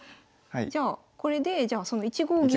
じゃあこれでじゃあその１五銀を。